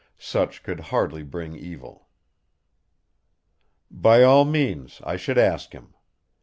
Such could hardly bring evil. "By all means I should ask him.